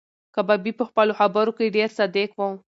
کبابي په خپلو خبرو کې ډېر صادق و.